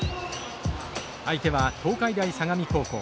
相手は東海大相模高校。